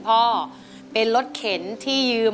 มาพบกับแก้วตานะครับนักสู้ชีวิตสู้งาน